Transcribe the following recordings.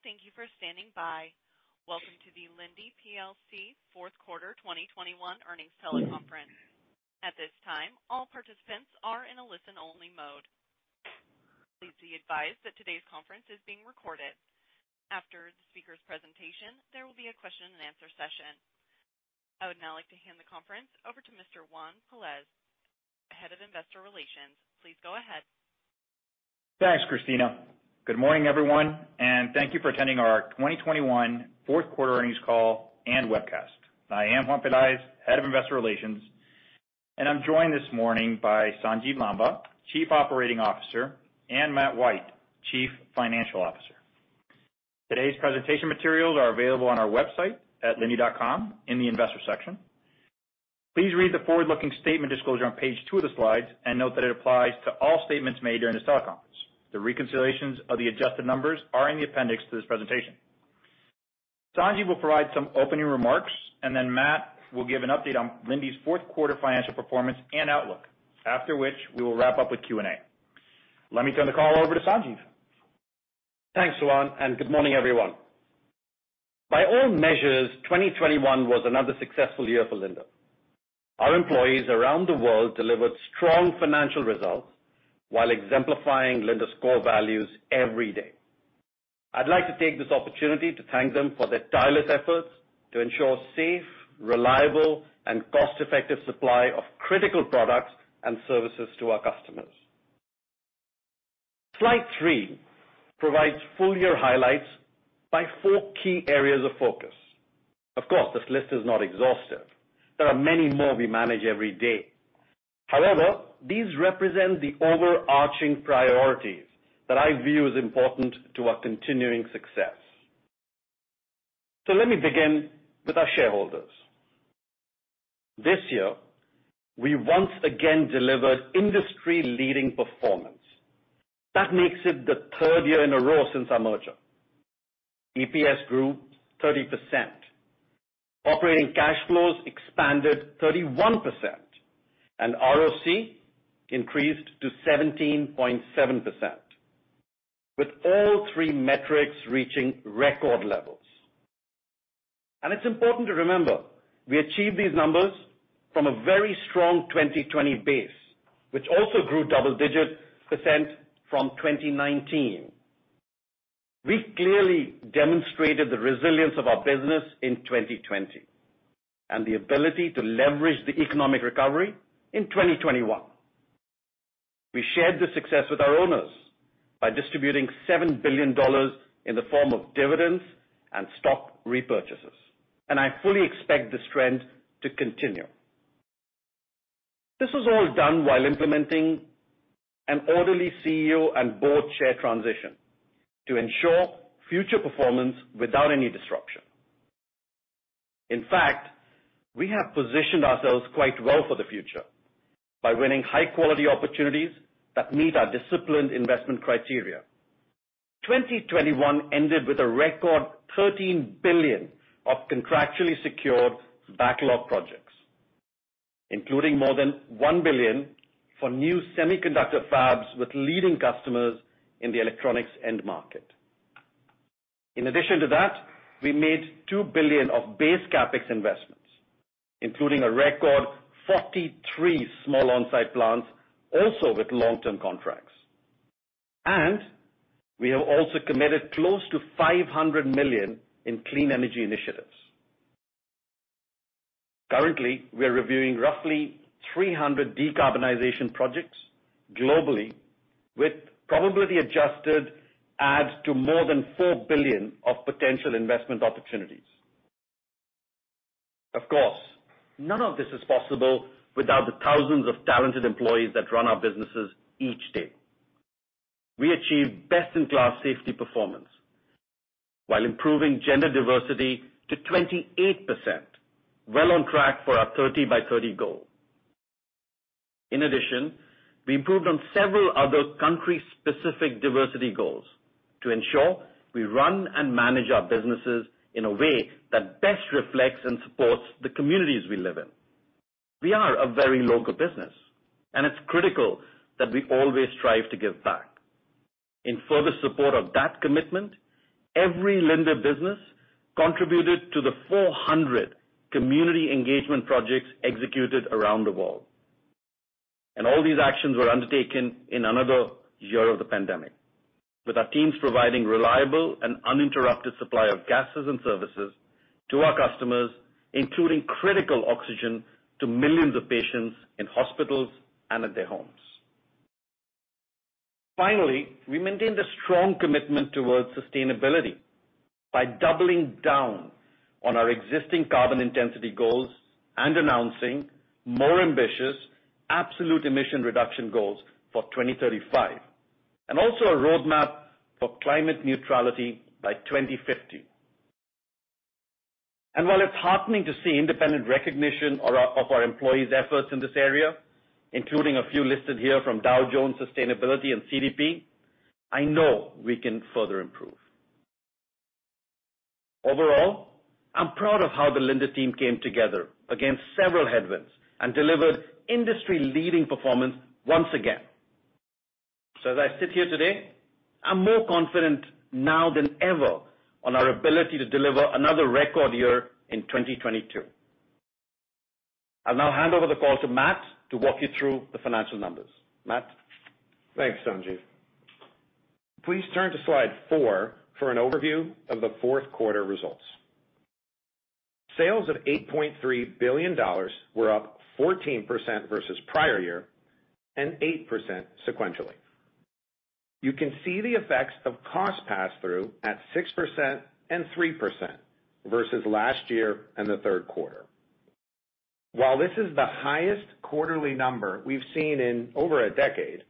Thank you for standing by. Welcome to the Linde plc fourth quarter 2021 earnings teleconference. At this time, all participants are in a listen-only mode. Please be advised that today's conference is being recorded. After the speaker's presentation, there will be a question and answer session. I would now like to hand the conference over to Mr. Juan Pelaez, Head of Investor Relations. Please go ahead. Thanks, Christina. Good morning, everyone, and thank you for attending our 2021 fourth quarter earnings call and webcast. I am Juan Pelaez, Head of Investor Relations, and I'm joined this morning by Sanjiv Lamba, Chief Operating Officer, and Matt White, Chief Financial Officer. Today's presentation materials are available on our website at linde.com in the investor section. Please read the forward-looking statement disclosure on page two of the slides, and note that it applies to all statements made during this teleconference. The reconciliations of the adjusted numbers are in the appendix to this presentation. Sanjiv will provide some opening remarks, and then Matt will give an update on Linde's fourth quarter financial performance and outlook. After which, we will wrap up with Q&A. Let me turn the call over to Sanjiv. Thanks, Juan, and good morning, everyone. By all measures, 2021 was another successful year for Linde. Our employees around the world delivered strong financial results while exemplifying Linde's core values every day. I'd like to take this opportunity to thank them for their tireless efforts to ensure safe, reliable, and cost-effective supply of critical products and services to our customers. Slide three provides full year highlights by four key areas of focus. Of course, this list is not exhaustive. There are many more we manage every day. However, these represent the overarching priorities that I view as important to our continuing success. Let me begin with our shareholders. This year, we once again delivered industry-leading performance. That makes it the third year in a row since our merger. EPS grew 30%, operating cash flows expanded 31%, and ROC increased to 17.7%, with all three metrics reaching record levels. It's important to remember, we achieved these numbers from a very strong 2020 base, which also grew double-digit % from 2019. We clearly demonstrated the resilience of our business in 2020, and the ability to leverage the economic recovery in 2021. We shared the success with our owners by distributing $7 billion in the form of dividends and stock repurchases. I fully expect this trend to continue. This was all done while implementing an orderly CEO and board chair transition to ensure future performance without any disruption. In fact, we have positioned ourselves quite well for the future by winning high-quality opportunities that meet our disciplined investment criteria. 2021 ended with a record $13 billion of contractually secured backlog projects, including more than $1 billion for new semiconductor fabs with leading customers in the electronics end market. In addition to that, we made $2 billion of base CapEx investments, including a record 43 small on-site plants, also with long-term contracts. We have also committed close to $500 million in clean energy initiatives. Currently, we are reviewing roughly 300 decarbonization projects globally, with probability adjusted adds to more than $4 billion of potential investment opportunities. Of course, none of this is possible without the thousands of talented employees that run our businesses each day. We achieved best-in-class safety performance while improving gender diversity to 28%, well on track for our 30 by 30 goal. In addition, we improved on several other country-specific diversity goals to ensure we run and manage our businesses in a way that best reflects and supports the communities we live in. We are a very local business, and it's critical that we always strive to give back. In further support of that commitment, every Linde business contributed to the 400 community engagement projects executed around the world. All these actions were undertaken in another year of the pandemic, with our teams providing reliable and uninterrupted supply of gases and services to our customers, including critical oxygen to millions of patients in hospitals and at their homes. Finally, we maintained a strong commitment towards sustainability by doubling down on our existing carbon intensity goals and announcing more ambitious absolute emission reduction goals for 2035, and also a roadmap for climate neutrality by 2050. While it's heartening to see independent recognition of our employees' efforts in this area, including a few listed here from Dow Jones Sustainability and CDP, I know we can further improve. Overall, I'm proud of how the Linde team came together against several headwinds and delivered industry-leading performance once again. As I sit here today, I'm more confident now than ever on our ability to deliver another record year in 2022. I'll now hand over the call to Matt to walk you through the financial numbers. Matt? Thanks, Sanjiv. Please turn to slide four for an overview of the fourth quarter results. Sales of $8.3 billion were up 14% versus prior year, and 8% sequentially. You can see the effects of cost pass-through at 6% and 3% versus last year and the third quarter. While this is the highest quarterly number we've seen in over a decade,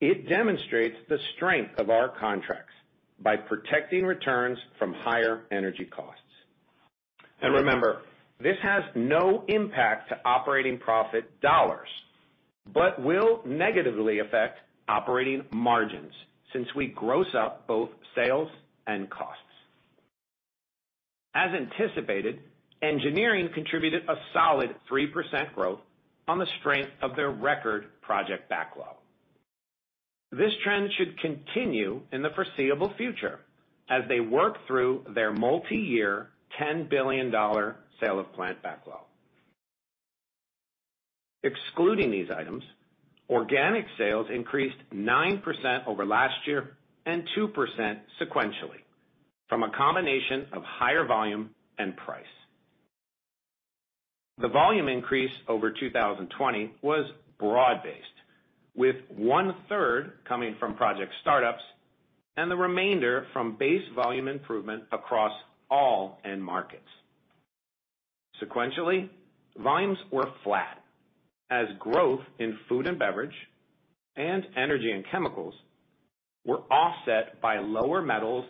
it demonstrates the strength of our contracts by protecting returns from higher energy costs. Remember, this has no impact to operating profit dollars, but will negatively affect operating margins since we gross up both sales and costs. As anticipated, engineering contributed a solid 3% growth on the strength of their record project backlog. This trend should continue in the foreseeable future as they work through their multiyear $10 billion sale of plant backlog. Excluding these items, organic sales increased 9% over last year and 2% sequentially from a combination of higher volume and price. The volume increase over 2020 was broad-based, with one-third coming from project startups and the remainder from base volume improvement across all end markets. Sequentially, volumes were flat as growth in food and beverage and energy and chemicals were offset by lower metals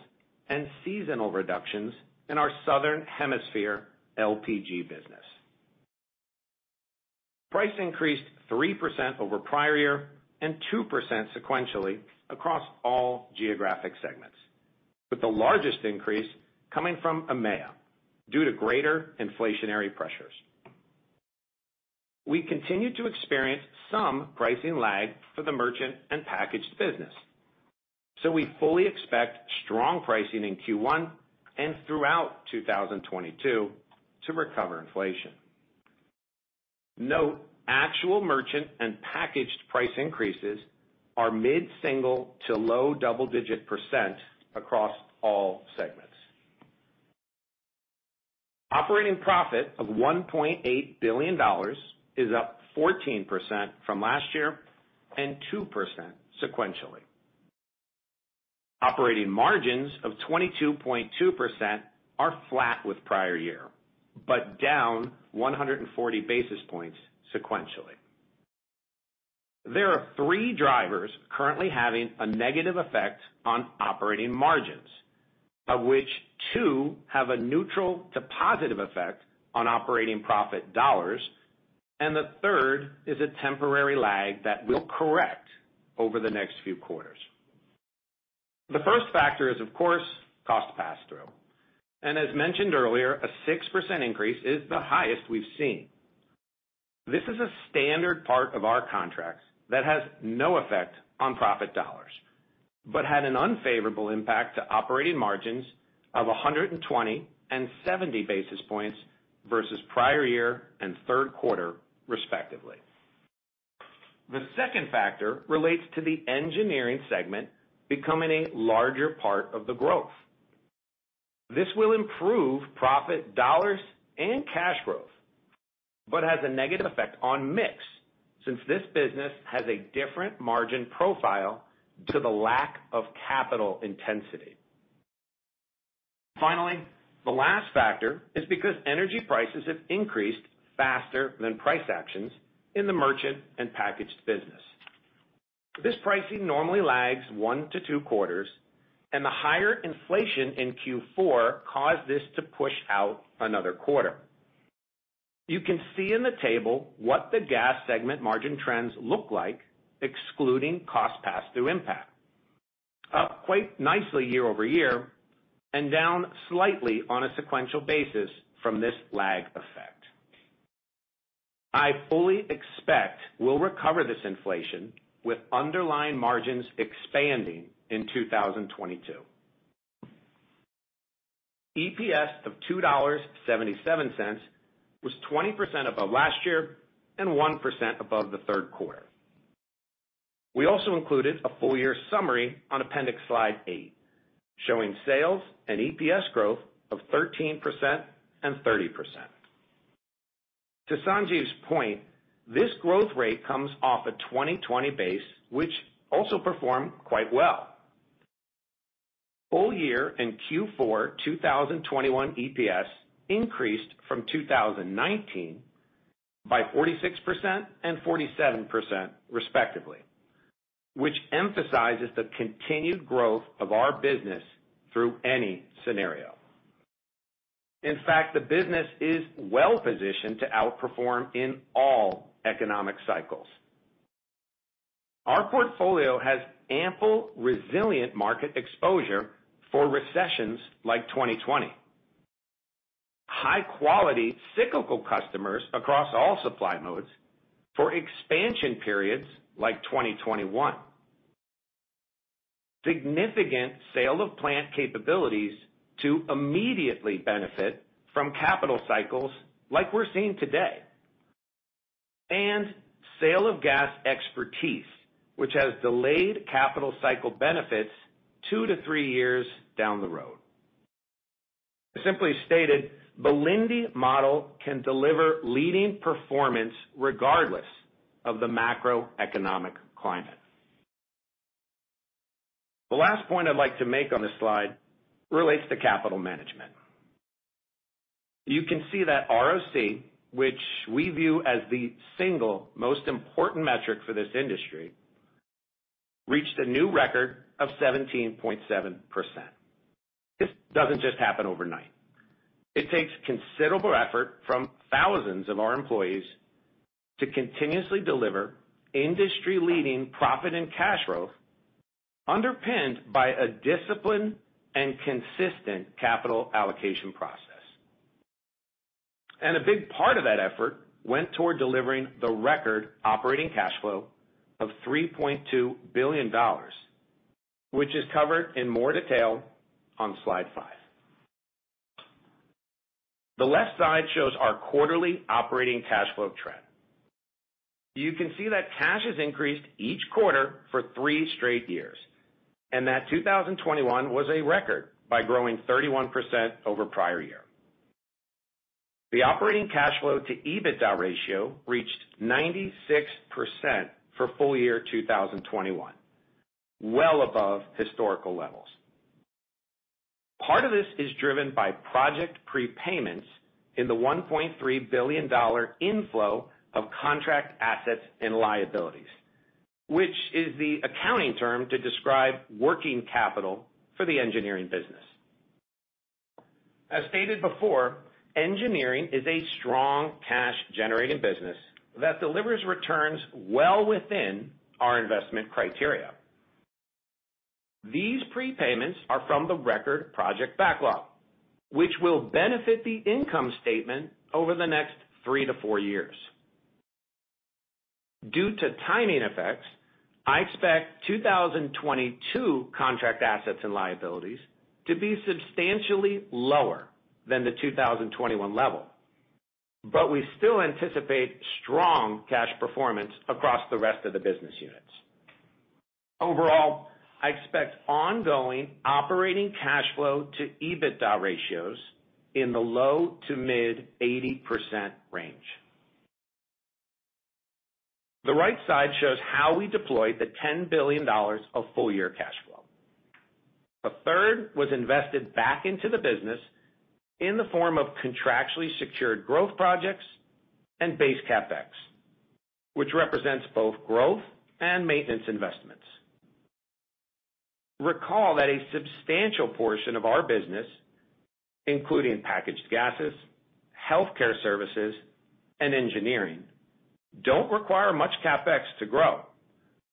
and seasonal reductions in our Southern Hemisphere LPG business. Price increased 3% over prior year and 2% sequentially across all geographic segments, with the largest increase coming from EMEA due to greater inflationary pressures. We continue to experience some pricing lag for the merchant and packaged business, so we fully expect strong pricing in Q1 and throughout 2022 to recover inflation. Note, actual merchant and packaged price increases are mid-single- to low double-digit percent across all segments. Operating profit of $1.8 billion is up 14% from last year and 2% sequentially. Operating margins of 22.2% are flat with prior year, but down 100 basis points sequentially. There are three drivers currently having a negative effect on operating margins, of which two have a neutral to positive effect on operating profit dollars, and the third is a temporary lag that will correct over the next few quarters. The first factor is, of course, cost pass-through, and as mentioned earlier, a 6% increase is the highest we've seen. This is a standard part of our contracts that has no effect on profit dollars, but had an unfavorable impact to operating margins of 120 basis points and 70 basis points versus prior year and third quarter respectively. The second factor relates to the engineering segment becoming a larger part of the growth. This will improve profit dollars and cash growth, but has a negative effect on mix since this business has a different margin profile due to the lack of capital intensity. Finally, the last factor is because energy prices have increased faster than price actions in the merchant and packaged business. This pricing normally lags one-two quarters, and the higher inflation in Q4 caused this to push out another quarter. You can see in the table what the gas segment margin trends look like excluding cost pass-through impact. Up quite nicely year over year, and down slightly on a sequential basis from this lag effect. I fully expect we'll recover this inflation with underlying margins expanding in 2022. EPS of $2.77 was 20% above last year and 1% above the third quarter. We also included a full year summary on appendix slide eight, showing sales and EPS growth of 13% and 30%. To Sanjiv's point, this growth rate comes off a 2020 base, which also performed quite well. Full year in Q4 2021 EPS increased from 2019 by 46% and 47% respectively, which emphasizes the continued growth of our business through any scenario. In fact, the business is well-positioned to outperform in all economic cycles. Our portfolio has ample resilient market exposure for recessions like 2020. High quality cyclical customers across all supply modes for expansion periods like 2021. Significant sale of plant capabilities to immediately benefit from capital cycles like we're seeing today. Sale of gas expertise, which has delayed capital cycle benefits two-three years down the road. Simply stated, the Linde model can deliver leading performance regardless of the macroeconomic climate. The last point I'd like to make on this slide relates to capital management. You can see that ROC, which we view as the single most important metric for this industry, reached a new record of 17.7%. This doesn't just happen overnight. It takes considerable effort from thousands of our employees to continuously deliver industry-leading profit and cash growth, underpinned by a disciplined and consistent capital allocation process. A big part of that effort went toward delivering the record operating cash flow of $3.2 billion, which is covered in more detail on slide five. The left side shows our quarterly operating cash flow trend. You can see that cash has increased each quarter for three straight years, and that 2021 was a record by growing 31% over prior year. The operating cash flow to EBITDA ratio reached 96% for full year 2021, well above historical levels. Part of this is driven by project prepayments in the $1.3 billion inflow of contract assets and liabilities, which is the accounting term to describe working capital for the engineering business. As stated before, engineering is a strong cash-generating business that delivers returns well within our investment criteria. These prepayments are from the record project backlog, which will benefit the income statement over the next three-four years. Due to timing effects, I expect 2022 contract assets and liabilities to be substantially lower than the 2021 level, but we still anticipate strong cash performance across the rest of the business units. Overall, I expect ongoing operating cash flow to EBITDA ratios in the low- to mid-80% range. The right side shows how we deployed the $10 billion of full-year cash flow. A third was invested back into the business in the form of contractually secured growth projects and base CapEx, which represents both growth and maintenance investments. Recall that a substantial portion of our business, including packaged gases, healthcare services, and engineering, don't require much CapEx to grow,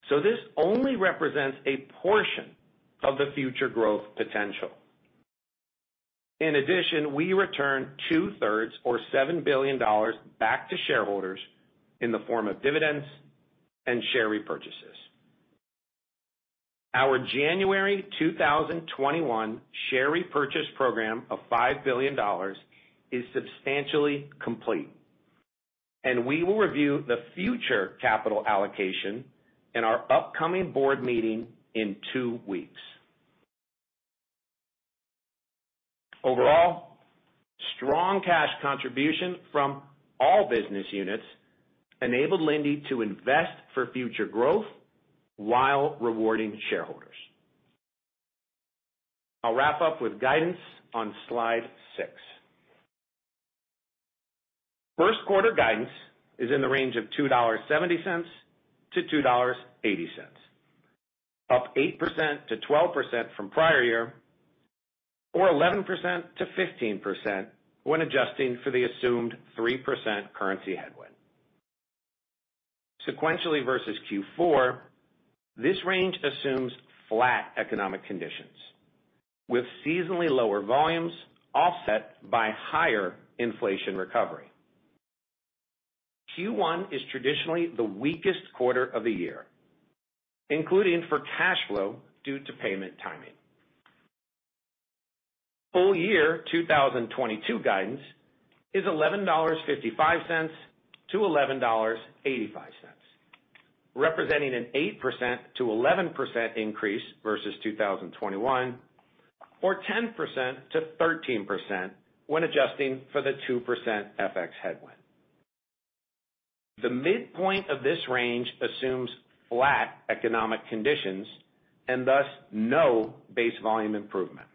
so this only represents a portion of the future growth potential. In addition, we return 2/3 or $7 billion back to shareholders in the form of dividends and share repurchases. Our January 2021 share repurchase program of $5 billion is substantially complete, and we will review the future capital allocation in our upcoming board meeting in two weeks. Overall, strong cash contribution from all business units enabled Linde to invest for future growth while rewarding shareholders. I'll wrap up with guidance on slide six. First quarter guidance is in the range of $2.70-$2.80, up 8%-12% from prior year, or 11%-15% when adjusting for the assumed 3% currency headwind. Sequentially versus Q4, this range assumes flat economic conditions with seasonally lower volumes offset by higher inflation recovery. Q1 is traditionally the weakest quarter of the year, including for cash flow due to payment timing. Full year 2022 guidance is $11.55-$11.85, representing an 8%-11% increase versus 2021, or 10%-13% when adjusting for the 2% FX headwind. The midpoint of this range assumes flat economic conditions and thus no base volume improvement.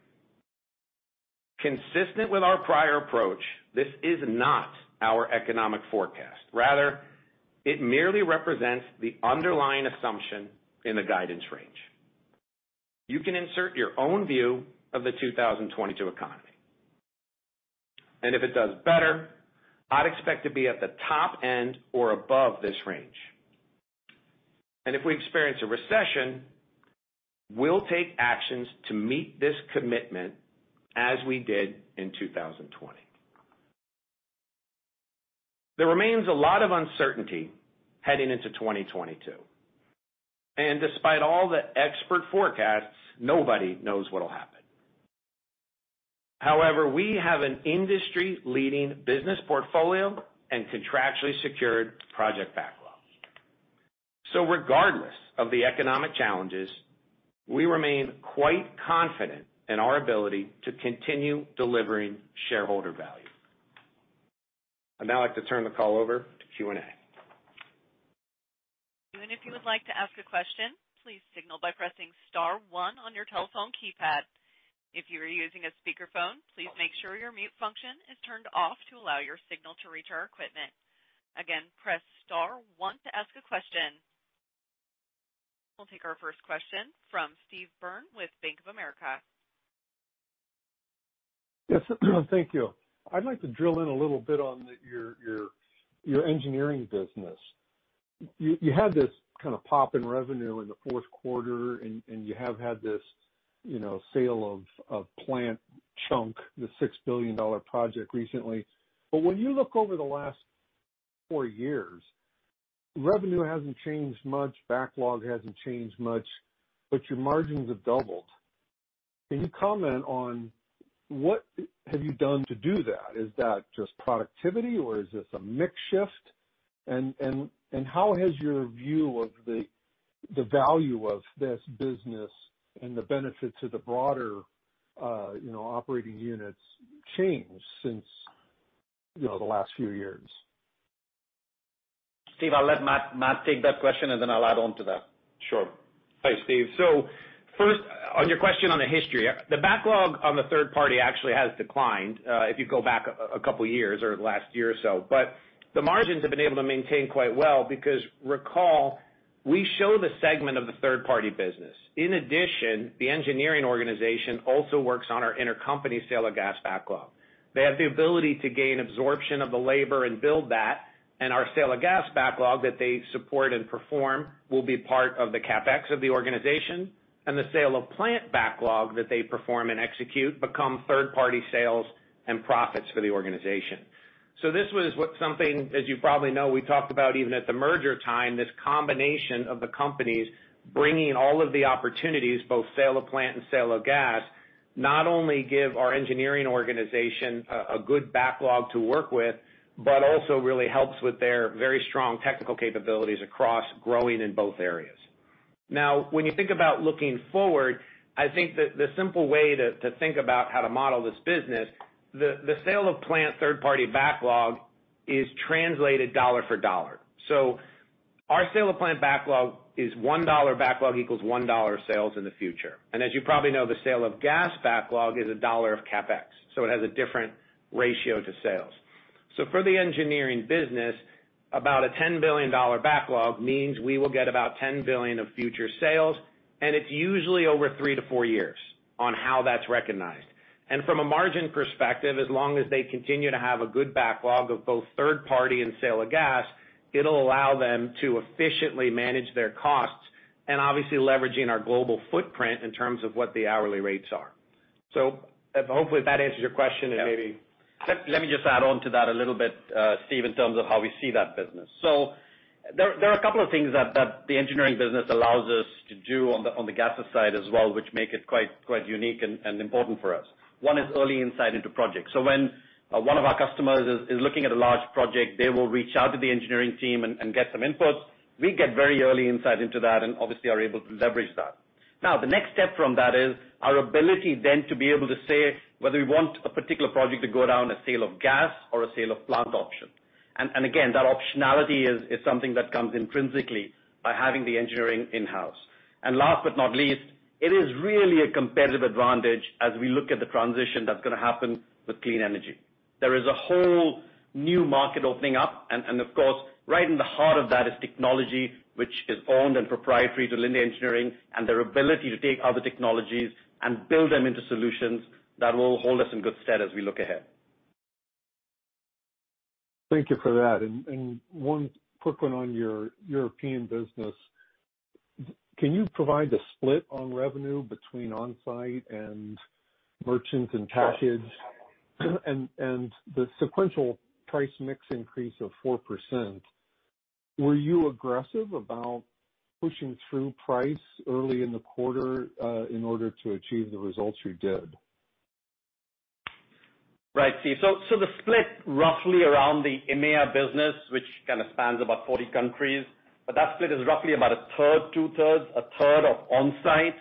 Consistent with our prior approach, this is not our economic forecast. Rather, it merely represents the underlying assumption in the guidance range. You can insert your own view of the 2022 economy. If it does better, I'd expect to be at the top end or above this range. If we experience a recession, we'll take actions to meet this commitment as we did in 2020. There remains a lot of uncertainty heading into 2022, and despite all the expert forecasts, nobody knows what'll happen. However, we have an industry-leading business portfolio and contractually secured project backlog. Regardless of the economic challenges, we remain quite confident in our ability to continue delivering shareholder value. I'd now like to turn the call over to Q&A. If you would like to ask a question, please signal by pressing star one on your telephone keypad. If you are using a speakerphone, please make sure your mute function is turned off to allow your signal to reach our equipment. Again, press star one to ask a question. We'll take our first question from Steve Byrne with Bank of America. Yes. Thank you. I'd like to drill in a little bit on your engineering business. You had this kind of pop in revenue in the fourth quarter and you have had this, you know, sale of plant chunk, the $6 billion project recently. When you look over the last four years, revenue hasn't changed much, backlog hasn't changed much, but your margins have doubled. Can you comment on what have you done to do that? Is that just productivity or is this a mix shift? How has your view of the value of this business and the benefit to the broader, you know, operating units changed since, you know, the last few years? Steve, I'll let Matt take that question, and then I'll add on to that. Sure. Thanks, Steve. First, on your question on the history, the backlog on the third party actually has declined, if you go back a couple years or the last year or so. The margins have been able to maintain quite well because recall, we show the segment of the third-party business. In addition, the engineering organization also works on our intercompany sale of gas backlog. They have the ability to gain absorption of the labor and build that, and our sale of gas backlog that they support and perform will be part of the CapEx of the organization and the sale of plant backlog that they perform and execute become third-party sales and profits for the organization. This was what we saw, as you probably know, we talked about even at the merger time, this combination of the companies bringing all of the opportunities, both sale of plant and sale of gas, not only give our engineering organization a good backlog to work with, but also really helps with their very strong technical capabilities across growing in both areas. Now, when you think about looking forward, I think the simple way to think about how to model this business, the sale of plant third-party backlog is translated dollar for dollar. Our sale of plant backlog is $1 backlog equals $1 sales in the future. As you probably know, the sale of gas backlog is $1 of CapEx, so it has a different ratio to sales. For the engineering business, about a $10 billion backlog means we will get about $10 billion of future sales, and it's usually over three-four years on how that's recognized. From a margin perspective, as long as they continue to have a good backlog of both third-party and sale of gas, it'll allow them to efficiently manage their costs and obviously leveraging our global footprint in terms of what the hourly rates are. Hopefully that answers your question and maybe- Let me just add on to that a little bit, Steve, in terms of how we see that business. There are a couple of things that the engineering business allows us to do on the gases side as well, which make it quite unique and important for us. One is early insight into projects. When one of our customers is looking at a large project, they will reach out to the engineering team and get some inputs. We get very early insight into that and obviously are able to leverage that. Now, the next step from that is our ability then to be able to say whether we want a particular project to go down a sale of gas or a sale of plant option. Again, that optionality is something that comes intrinsically by having the engineering in-house. Last but not least, it is really a competitive advantage as we look at the transition that's gonna happen with clean energy. There is a whole new market opening up, and of course, right in the heart of that is technology, which is owned and proprietary to Linde Engineering and their ability to take other technologies and build them into solutions that will hold us in good stead as we look ahead. Thank you for that. One quick one on your European business. Can you provide the split on revenue between on-site and merchants and packaged? The sequential price mix increase of 4%, were you aggressive about pushing through price early in the quarter in order to achieve the results you did? Right, Steve. The split roughly around the EMEA business, which kind of spans about 40 countries, but that split is roughly about 1/3, 2/3, 1/3 of on-site.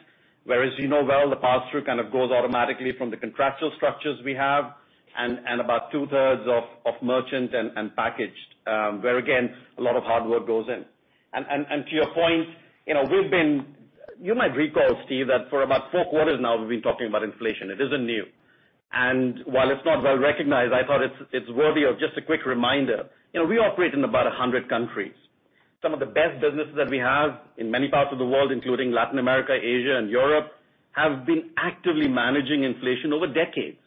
Whereas you know well, the pass-through kind of goes automatically from the contractual structures we have and about two-thirds of merchant and packaged, where again, a lot of hard work goes in. To your point, you know, you might recall, Steve, that for about four quarters now we've been talking about inflation. It isn't new. While it's not well-recognized, I thought it's worthy of just a quick reminder. You know, we operate in about 100 countries. Some of the best businesses that we have in many parts of the world, including Latin America, Asia, and Europe, have been actively managing inflation over decades.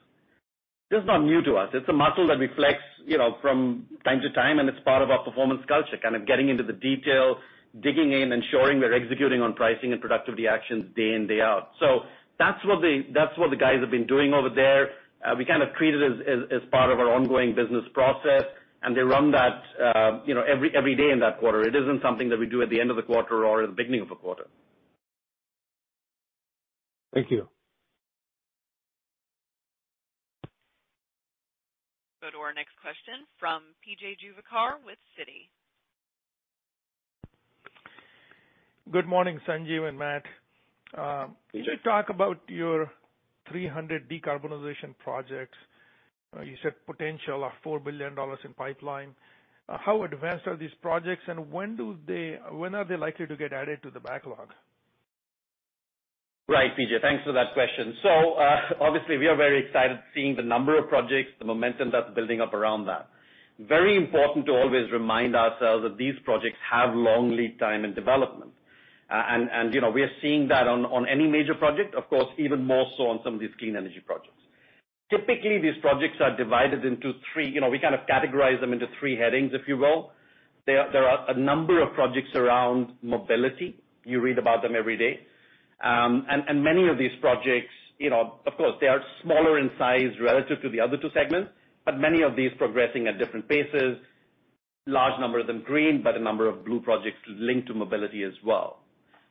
This is not new to us. It's a muscle that we flex, you know, from time to time, and it's part of our performance culture, kind of getting into the detail, digging in, ensuring we're executing on pricing and productivity actions day in, day out. That's what the guys have been doing over there. We kind of treat it as part of our ongoing business process, and they run that, you know, every day in that quarter. It isn't something that we do at the end of the quarter or at the beginning of a quarter. Thank you. Go to our next question from PJ Juvekar with Citi. Good morning, Sanjiv and Matt. Could you talk about your 300 decarbonization projects? You said potential of $4 billion in pipeline. How advanced are these projects, and when are they likely to get added to the backlog? Right, PJ. Thanks for that question. Obviously, we are very excited seeing the number of projects, the momentum that's building up around that. Very important to always remind ourselves that these projects have long lead time in development. You know, we are seeing that on any major project, of course, even more so on some of these clean energy projects. Typically, these projects are divided into three. You know, we kind of categorize them into three headings, if you will. There are a number of projects around mobility. You read about them every day. Many of these projects, you know, of course, they are smaller in size relative to the other two segments, but many of these progressing at different paces, large number of them green, but a number of blue projects linked to mobility as well.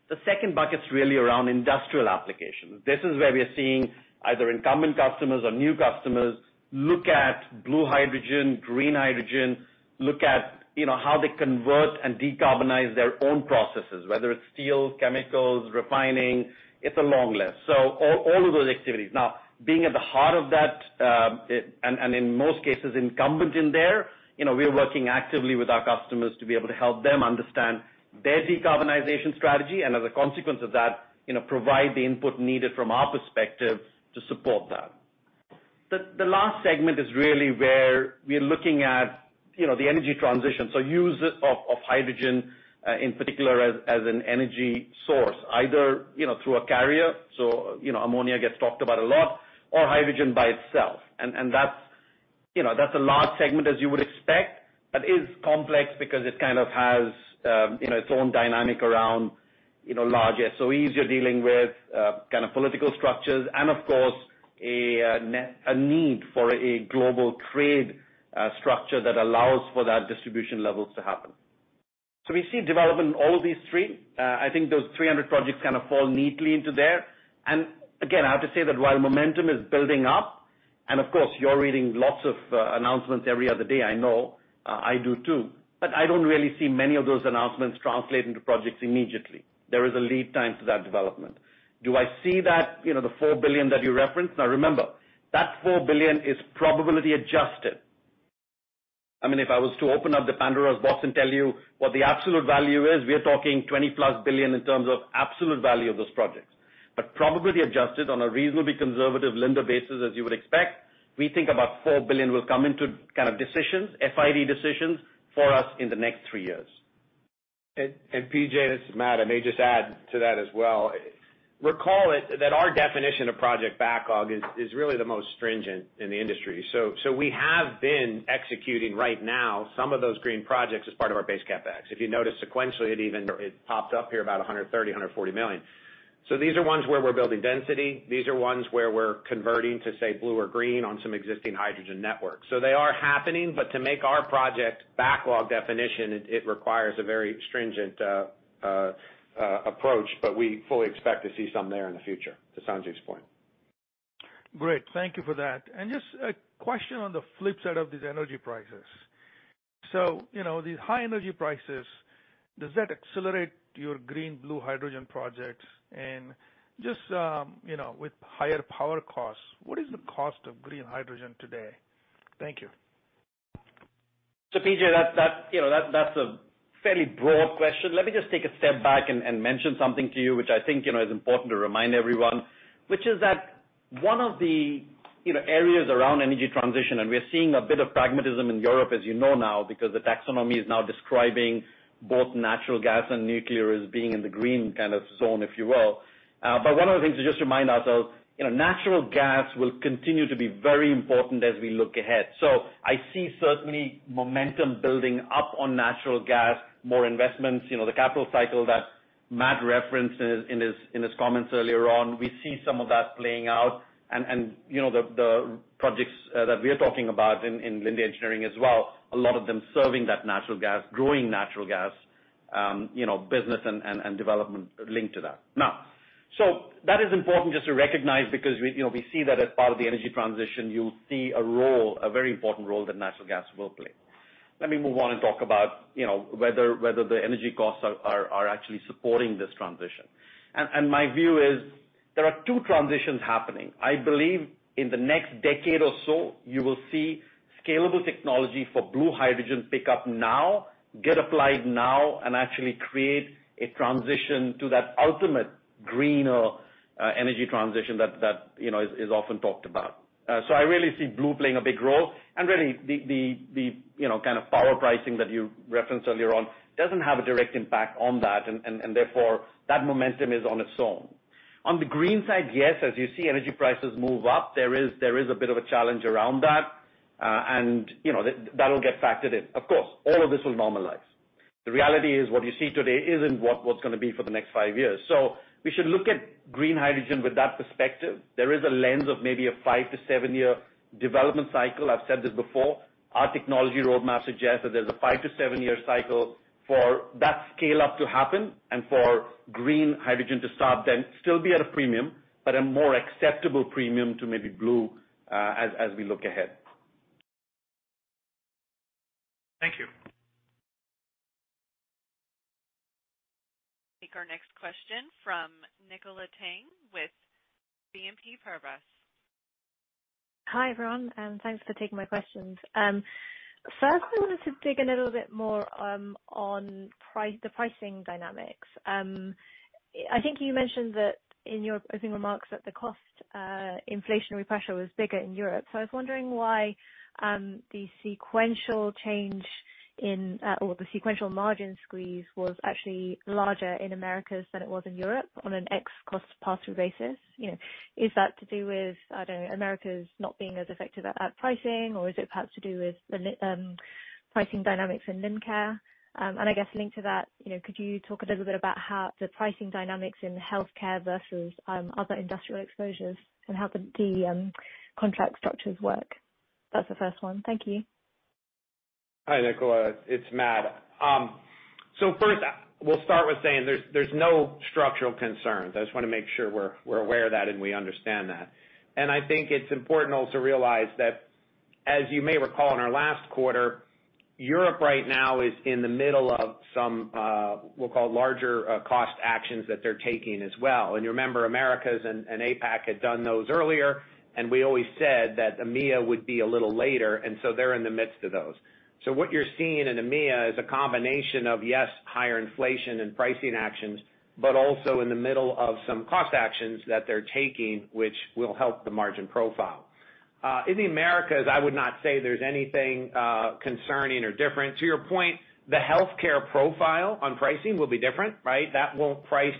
The second bucket's really around industrial applications. This is where we are seeing either incumbent customers or new customers look at blue hydrogen, green hydrogen, look at, you know, how they convert and decarbonize their own processes, whether it's steel, chemicals, refining. It's a long list. All of those activities. Now, being at the heart of that, and in most cases, incumbent in there, you know, we are working actively with our customers to be able to help them understand their decarbonization strategy and as a consequence of that, you know, provide the input needed from our perspective to support that. The last segment is really where we're looking at, you know, the energy transition, so use of hydrogen in particular as an energy source, either you know through a carrier, so you know ammonia gets talked about a lot, or hydrogen by itself. That's you know that's a large segment as you would expect, but is complex because it kind of has you know its own dynamic around you know large SOEs you're dealing with kind of political structures and of course a need for a global trade structure that allows for that distribution levels to happen. We see development in all of these three. I think those 300 projects kind of fall neatly into there. Again, I have to say that while momentum is building up, and of course, you're reading lots of announcements every other day, I know, I do too, but I don't really see many of those announcements translate into projects immediately. There is a lead time to that development. Do I see that, you know, the $4 billion that you referenced? Now remember, that $4 billion is probability adjusted. I mean, if I was to open up the Pandora's box and tell you what the absolute value is, we are talking $20+ billion in terms of absolute value of those projects. But probability adjusted on a reasonably conservative Linde basis, as you would expect, we think about $4 billion will come into kind of decisions, FID decisions for us in the next three years. PJ, this is Matt. I may just add to that as well. Recall that our definition of project backlog is really the most stringent in the industry. We have been executing right now some of those green projects as part of our base CapEx. If you notice sequentially, it popped up here about $130 million-$140 million. These are ones where we're building density. These are ones where we're converting to, say, blue or green on some existing hydrogen networks. They are happening, but to make our project backlog definition, it requires a very stringent approach, but we fully expect to see some there in the future, to Sanjiv's point. Great. Thank you for that. Just a question on the flip side of these energy prices. You know, these high energy prices, does that accelerate your green/blue hydrogen projects? Just, you know, with higher power costs, what is the cost of green hydrogen today? Thank you. PJ, that, you know, that's a fairly broad question. Let me just take a step back and mention something to you, which I think, you know, is important to remind everyone, which is that one of the, you know, areas around energy transition, and we are seeing a bit of pragmatism in Europe, as you know now, because the taxonomy is now describing both natural gas and nuclear as being in the green kind of zone, if you will. But one of the things to just remind ourselves, you know, natural gas will continue to be very important as we look ahead. I see certainly momentum building up on natural gas, more investments, you know, the capital cycle that Matt referenced in his comments earlier on. We see some of that playing out and, you know, the projects that we are talking about in Linde Engineering as well, a lot of them serving that natural gas, growing natural gas business and development linked to that. That is important just to recognize because we, you know, we see that as part of the energy transition. You'll see a role, a very important role that natural gas will play. Let me move on and talk about, you know, whether the energy costs are actually supporting this transition. My view is there are two transitions happening. I believe in the next decade or so, you will see scalable technology for blue hydrogen pick up now, get applied now, and actually create a transition to that ultimate greener, energy transition that, you know, is often talked about. I really see blue playing a big role and really the, you know, kind of power pricing that you referenced earlier on doesn't have a direct impact on that. Therefore that momentum is on its own. On the green side, yes, as you see energy prices move up, there is a bit of a challenge around that. You know, that'll get factored in. Of course, all of this will normalize. The reality is what you see today isn't what was gonna be for the next five years. We should look at green hydrogen with that perspective. There is a lens of maybe a five-seven-year development cycle. I've said this before. Our technology roadmap suggests that there's a five-seven-year cycle for that scale-up to happen and for green hydrogen to start, then still be at a premium, but a more acceptable premium to maybe blue, as we look ahead. Thank you. Take our next question from Nicola Tang with BNP Paribas. Hi, everyone, and thanks for taking my questions. First I wanted to dig a little bit more on the pricing dynamics. I think you mentioned that in your opening remarks that the cost inflationary pressure was bigger in Europe. I was wondering why the sequential change in, or the sequential margin squeeze was actually larger in Americas than it was in Europe on an ex-cost pass-through basis. You know, is that to do with, I don't know, Americas not being as effective at pricing, or is it perhaps to do with the pricing dynamics in Lincare? I guess linked to that, you know, could you talk a little bit about how the pricing dynamics in healthcare versus other industrial exposures and how the contract structures work? That's the first one. Thank you. Hi, Nicola. It's Matt. First, we'll start with saying there's no structural concerns. I just wanna make sure we're aware of that and we understand that. I think it's important also to realize that, as you may recall in our last quarter, Europe right now is in the middle of some we'll call it larger cost actions that they're taking as well. You remember Americas and APAC had done those earlier, and we always said that EMEA would be a little later, and so they're in the midst of those. What you're seeing in EMEA is a combination of, yes, higher inflation and pricing actions, but also in the middle of some cost actions that they're taking, which will help the margin profile. In the Americas, I would not say there's anything concerning or different. To your point, the healthcare profile on pricing will be different, right? That won't price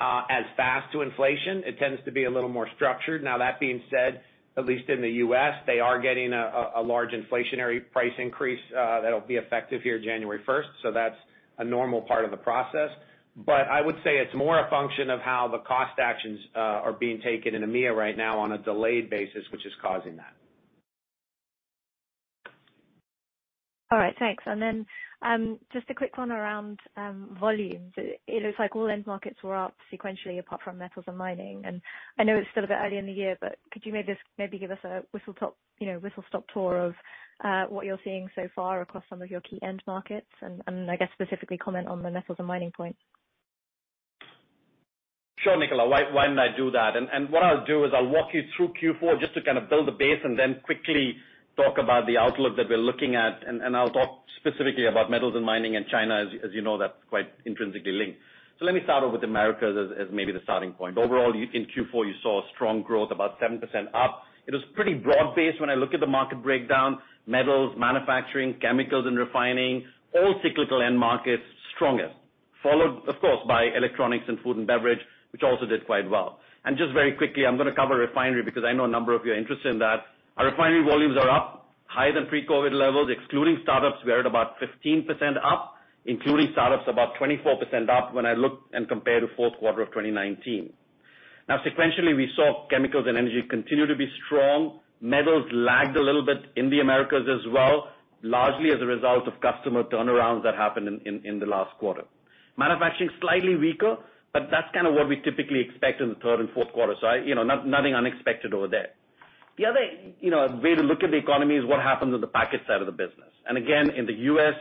as fast to inflation. It tends to be a little more structured. Now, that being said, at least in the U.S., they are getting a large inflationary price increase that'll be effective here January first. So that's a normal part of the process. But I would say it's more a function of how the cost actions are being taken in EMEA right now on a delayed basis, which is causing that. All right. Thanks. Just a quick one around volumes. It looks like all end markets were up sequentially apart from metals and mining. I know it's still a bit early in the year, but could you maybe give us a whistle-stop tour, you know, of what you're seeing so far across some of your key end markets? I guess specifically comment on the metals and mining point. Sure, Nicola. Why don't I do that? What I'll do is I'll walk you through Q4 just to kind of build a base and then quickly talk about the outlook that we're looking at. I'll talk specifically about metals and mining in China, as you know that's quite intrinsically linked. Let me start off with Americas as maybe the starting point. Overall, in Q4, you saw strong growth, about 7% up. It was pretty broad-based when I look at the market breakdown. Metals, manufacturing, chemicals and refining, all cyclical end markets, strongest. Followed, of course, by electronics and food and beverage, which also did quite well. Just very quickly, I'm gonna cover refinery because I know a number of you are interested in that. Our refinery volumes are up higher than pre-COVID levels. Excluding startups, we are at about 15% up, including startups, about 24% up when I look and compare to fourth quarter of 2019. Now, sequentially, we saw chemicals and energy continue to be strong. Metals lagged a little bit in the Americas as well, largely as a result of customer turnarounds that happened in the last quarter. Manufacturing is slightly weaker, but that's kinda what we typically expect in the third and fourth quarter. You know, nothing unexpected over there. The other way to look at the economy is what happens on the packaged side of the business. Again, in the U.S.,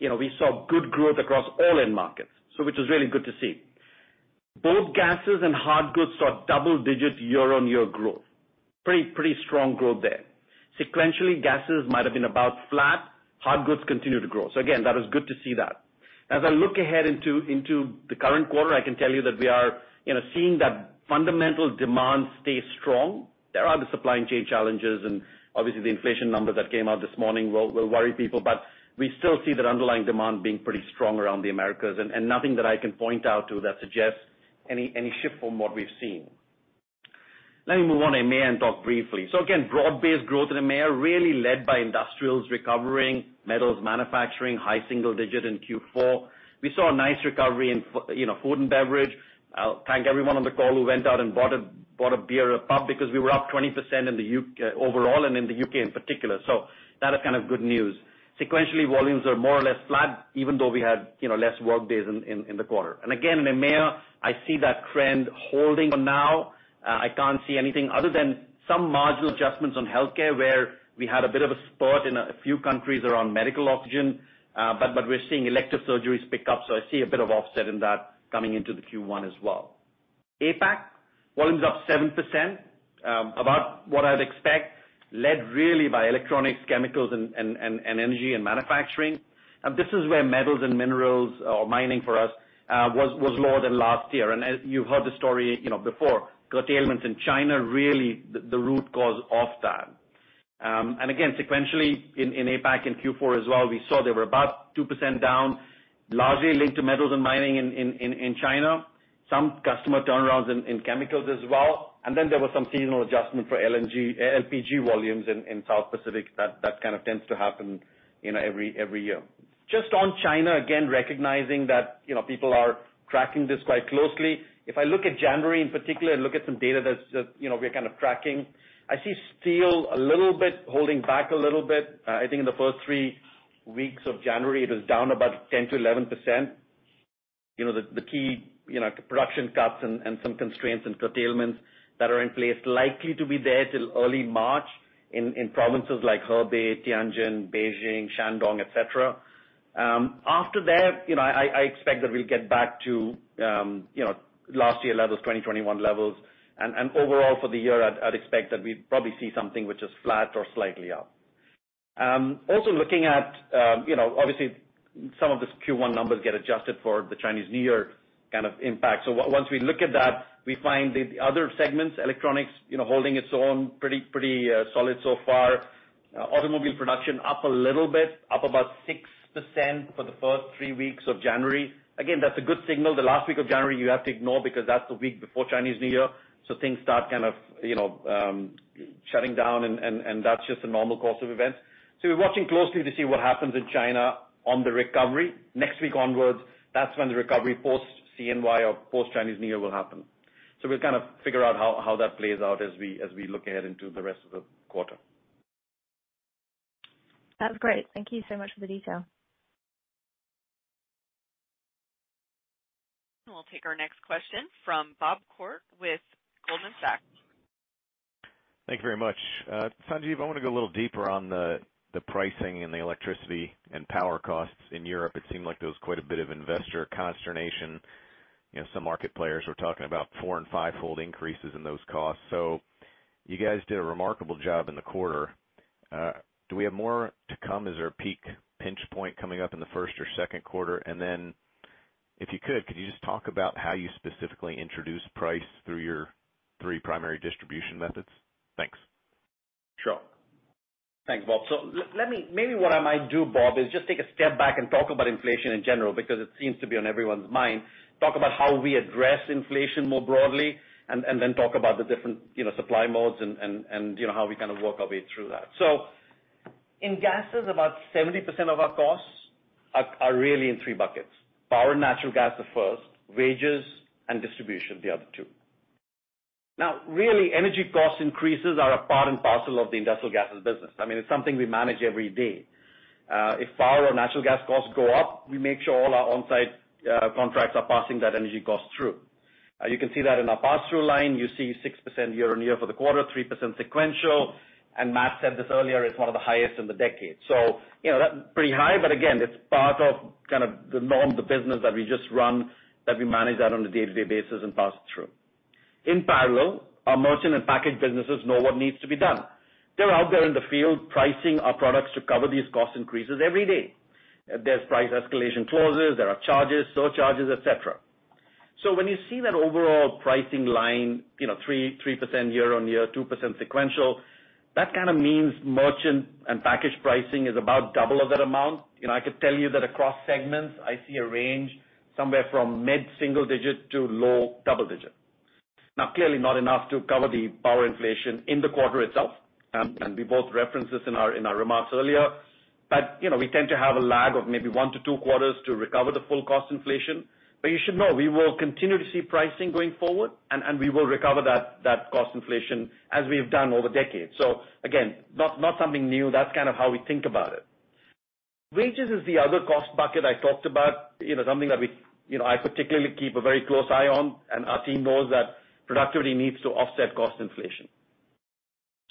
you know, we saw good growth across all end markets, which is really good to see. Both gases and hard goods saw double-digit year-on-year growth. Pretty strong growth there. Sequentially, gases might have been about flat. Hard goods continue to grow. Again, that is good to see that. As I look ahead into the current quarter, I can tell you that we are, you know, seeing that fundamental demand stay strong. There are supply chain challenges and obviously the inflation number that came out this morning will worry people, but we still see that underlying demand being pretty strong around the Americas and nothing that I can point out to that suggests any shift from what we've seen. Let me move on to EMEA and talk briefly. Again, broad-based growth in EMEA really led by industrials recovering, metals manufacturing, high single-digit in Q4. We saw a nice recovery in, you know, food and beverage. I'll thank everyone on the call who went out and bought a beer or a pub because we were up 20% in the overall and in the U.K. in particular. That is kind of good news. Sequentially, volumes are more or less flat, even though we had less workdays in the quarter. Again, in EMEA, I see that trend holding for now. I can't see anything other than some marginal adjustments on healthcare, where we had a bit of a spurt in a few countries around medical oxygen, but we're seeing elective surgeries pick up, so I see a bit of offset in that coming into the Q1 as well. APAC volumes up 7%, about what I'd expect, led really by electronics, chemicals, and energy and manufacturing. This is where metals and minerals or mining for us was lower than last year. As you've heard the story, you know, before, curtailments in China really the root cause of that. Again, sequentially in APAC in Q4 as well, we saw they were about 2% down, largely linked to metals and mining in China. Some customer turnarounds in chemicals as well. Then there was some seasonal adjustment for LNG/LPG volumes in South Pacific that kind of tends to happen, you know, every year. Just on China, again, recognizing that, you know, people are tracking this quite closely. If I look at January in particular and look at some data that's, you know, we're kind of tracking, I see steel a little bit holding back a little bit. I think in the first three weeks of January, it was down about 10%-11%. You know, the key production cuts and some constraints and curtailments that are in place likely to be there till early March in provinces like Hebei, Tianjin, Beijing, Shandong, etc. After that, you know, I expect that we'll get back to last year levels, 2021 levels. And overall for the year, I'd expect that we'd probably see something which is flat or slightly up. Also looking at, you know, obviously some of these Q1 numbers get adjusted for the Chinese New Year kind of impact. Once we look at that, we find the other segments, electronics, you know, holding its own pretty solid so far. Automobile production up a little bit, up about 6% for the first three weeks of January. Again, that's a good signal. The last week of January, you have to ignore because that's the week before Chinese New Year, so things start kind of, you know, shutting down, and that's just a normal course of events. We're watching closely to see what happens in China on the recovery. Next week onwards, that's when the recovery post CNY or post Chinese New Year will happen. We'll kind of figure out how that plays out as we look ahead into the rest of the quarter. That's great. Thank you so much for the detail. We'll take our next question from Bob Koort with Goldman Sachs. Thank you very much. Sanjiv, I want to go a little deeper on the pricing and the electricity and power costs in Europe. It seemed like there was quite a bit of investor consternation. You know, some market players were talking about four and five fold increases in those costs. You guys did a remarkable job in the quarter. Do we have more to come? Is there a peak pinch point coming up in the first or second quarter? If you could, you just talk about how you specifically introduce price through your three primary distribution methods? Thanks. Sure. Thanks, Bob. Maybe what I might do, Bob, is just take a step back and talk about inflation in general, because it seems to be on everyone's mind, talk about how we address inflation more broadly, you know, how we kind of work our way through that. In gases, about 70% of our costs are really in three buckets. Power and natural gas, the first, wages and distribution, the other two. Now, really, energy cost increases are a part and parcel of the industrial gases business. I mean, it's something we manage every day. If power or natural gas costs go up, we make sure all our on-site contracts are passing that energy cost through. You can see that in our pass-through line. You see 6% year-on-year for the quarter, 3% sequential. Matt said this earlier, it's one of the highest in the decade. You know, that's pretty high. Again, it's part of kind of the norm of the business that we just run, that we manage that on a day-to-day basis and pass it through. In parallel, our merchant and package businesses know what needs to be done. They're out there in the field pricing our products to cover these cost increases every day. There's price escalation clauses, there are charges, surcharges, et cetera. When you see that overall pricing line, you know, 3% year-on-year, 2% sequential, that kind of means merchant and package pricing is about double of that amount. You know, I could tell you that across segments, I see a range somewhere from mid-single-digit to low double-digit. Now, clearly not enough to cover the power inflation in the quarter itself, and we both referenced this in our remarks earlier. You know, we tend to have a lag of maybe one quarter-two quarters to recover the full cost inflation. You should know we will continue to see pricing going forward and we will recover that cost inflation as we've done over decades. Again, not something new. That's kind of how we think about it. Wages is the other cost bucket I talked about, you know, something that we, you know, I particularly keep a very close eye on, and our team knows that productivity needs to offset cost inflation.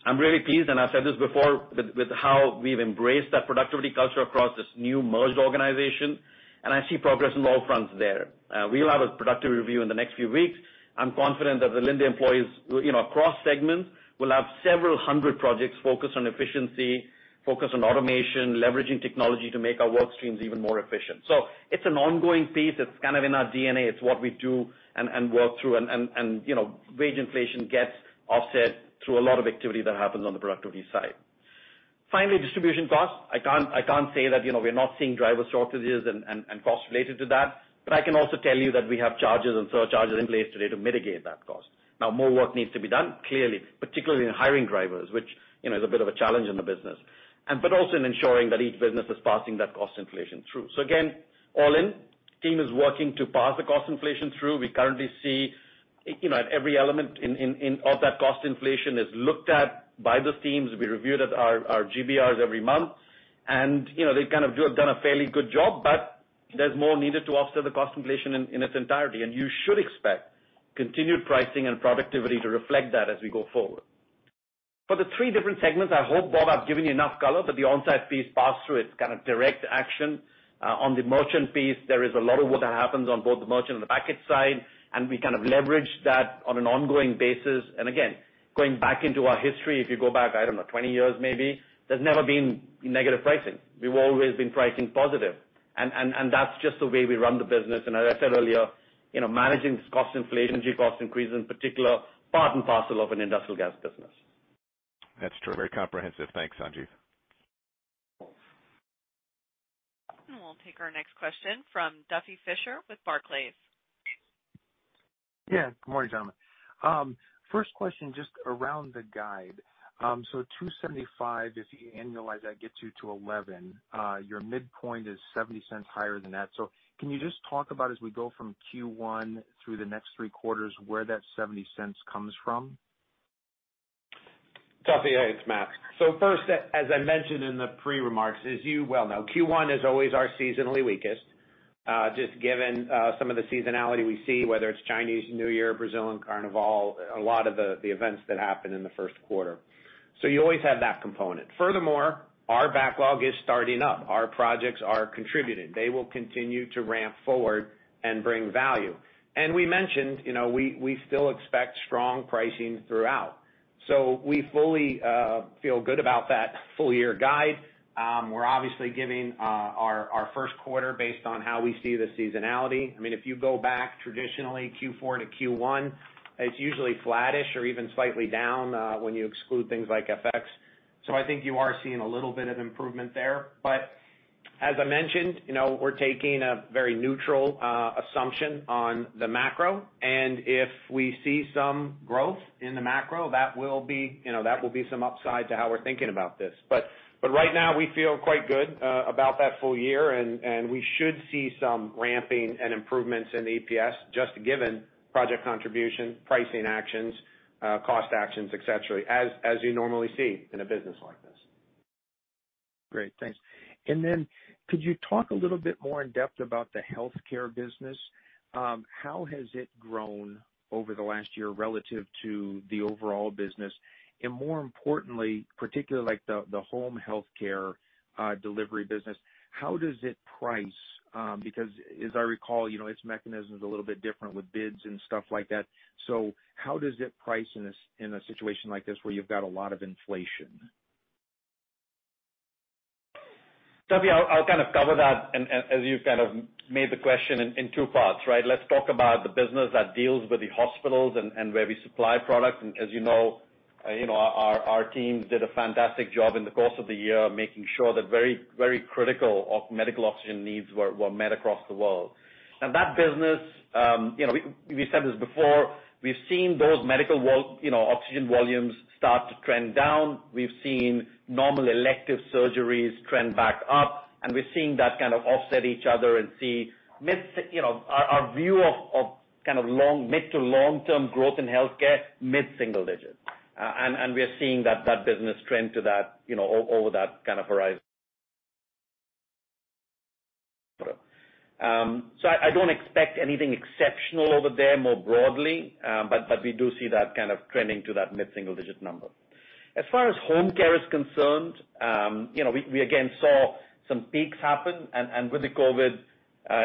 I'm really pleased, and I've said this before, with how we've embraced that productivity culture across this new merged organization, and I see progress in all fronts there. We will have a productive review in the next few weeks. I'm confident that the Linde employees, you know, across segments, will have several hundred projects focused on efficiency, focused on automation, leveraging technology to make our work streams even more efficient. It's an ongoing piece. It's kind of in our DNA. It's what we do and work through, you know, wage inflation gets offset through a lot of activity that happens on the productivity side. Finally, distribution costs. I can't say that, you know, we're not seeing driver shortages and costs related to that, but I can also tell you that we have charges and surcharges in place today to mitigate that cost. Now, more work needs to be done, clearly, particularly in hiring drivers, which you know, is a bit of a challenge in the business, but also in ensuring that each business is passing that cost inflation through. Again, all in, team is working to pass the cost inflation through. We currently see, you know, every element of that cost inflation is looked at by those teams. We review it at our GBRs every month. And you know, they've kind of done a fairly good job, but there's more needed to offset the cost inflation in its entirety, and you should expect continued pricing and productivity to reflect that as we go forward. For the three different segments, I hope, Bob, I've given you enough color, but the on-site piece pass through, it's kind of direct action. On the merchant piece, there is a lot of work that happens on both the merchant and the package side, and we kind of leverage that on an ongoing basis. Again, going back into our history, if you go back, I don't know, 20 years maybe, there's never been negative pricing. We've always been pricing positive, and that's just the way we run the business. As I said earlier, you know, managing cost inflation, energy cost increases in particular, part and parcel of an industrial gas business. That's true. Very comprehensive. Thanks, Sanjiv. We'll take our next question from Duffy Fischer with Barclays. Yeah. Good morning, gentlemen. First question, just around the guide. So $2.75, if you annualize that gets you to $11. Your midpoint is $0.70 higher than that. Can you just talk about as we go from Q1 through the next three quarters, where that $0.70 comes from? Duffy, hey, it's Matt. First, as I mentioned in the pre-remarks, as you well know, Q1 is always our seasonally weakest, just given some of the seasonality we see, whether it's Chinese New Year, Brazilian Carnival, a lot of the events that happen in the first quarter. You always have that component. Furthermore, our backlog is starting up. Our projects are contributing. They will continue to ramp forward and bring value. We mentioned, you know, we still expect strong pricing throughout. We fully feel good about that full year guide. We're obviously giving our first quarter based on how we see the seasonality. I mean, if you go back traditionally Q4 - Q1, it's usually flattish or even slightly down, when you exclude things like FX. I think you are seeing a little bit of improvement there. As I mentioned, you know, we're taking a very neutral assumption on the macro, and if we see some growth in the macro, that will be, you know, that will be some upside to how we're thinking about this. Right now we feel quite good about that full year and we should see some ramping and improvements in the EPS just given project contribution, pricing actions, cost actions, et cetera, as you normally see in a business like this. Great. Thanks. Could you talk a little bit more in-depth about the healthcare business? How has it grown over the last year relative to the overall business? More importantly, particularly like the home healthcare delivery business, how does it price? Because as I recall, you know, its mechanism is a little bit different with bids and stuff like that. How does it price in a situation like this where you've got a lot of inflation? Duffy, I'll kind of cover that as you kind of made the question in two parts, right? Let's talk about the business that deals with the hospitals and where we supply products. As you know, our teams did a fantastic job in the course of the year, making sure that very critical medical oxygen needs were met across the world. Now, that business, we said this before, we've seen those medical oxygen volumes start to trend down. We've seen normal elective surgeries trend back up, and we're seeing that kind of offset each other and we see our view of kind of mid- to long-term growth in healthcare, mid-single digit. We are seeing that business trend to that, you know, over that kind of horizon. I don't expect anything exceptional over there more broadly. We do see that kind of trending to that mid-single-digit number. As far as home care is concerned, you know, we again saw some peaks happen. With the COVID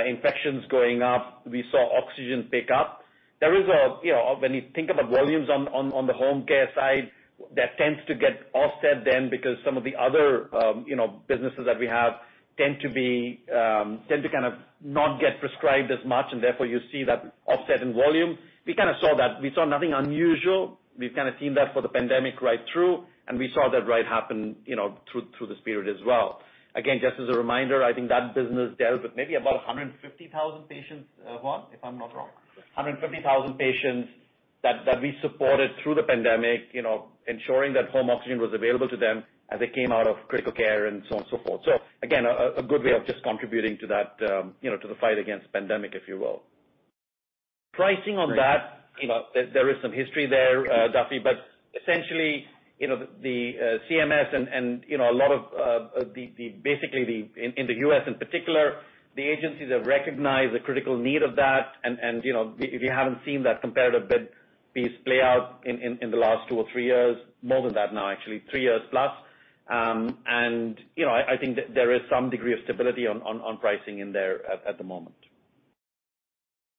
infections going up, we saw oxygen pick up. You know, when you think about volumes on the home care side, that tends to get offset then because some of the other, you know, businesses that we have tend to kind of not get prescribed as much, and therefore you see that offset in volume. We kind of saw that. We saw nothing unusual. We've kinda seen that for the pandemic right through, and we saw that right happen, you know, through this period as well. Again, just as a reminder, I think that business dealt with maybe about 150,000 patients, Juan, if I'm not wrong. 150,000 patients that we supported through the pandemic, you know, ensuring that home oxygen was available to them as they came out of critical care and so on and so forth. Again, a good way of just contributing to that, you know, to the fight against pandemic, if you will. Pricing on that, you know, there is some history there, Duffy, but essentially, you know, the CMS and, you know, a lot of the basically in the U.S. in particular, the agencies have recognized the critical need of that. You know, we haven't seen that competitive bid piece play out in the last two or three years, more than that now, actually, three years plus. You know, I think there is some degree of stability on pricing in there at the moment.